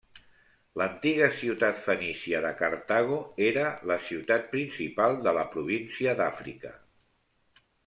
L'antiga ciutat fenícia de Cartago era la ciutat principal de la província d'Àfrica.